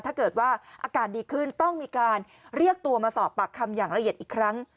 ถ้าเกิดว่าอาการดีขึ้นต้องมีการเรียกตัวมาสอบปากคำอย่างละเอียดอีกครั้ง